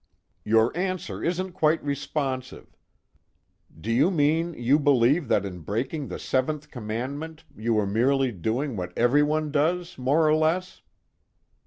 "Your answer isn't quite responsive. Do you mean you believe that in breaking the seventh commandment you were merely doing what everyone does more or less?"